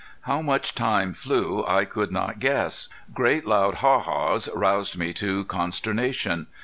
How much time flew I could not guess. Great loud "Haw haws!" roused me to consternation.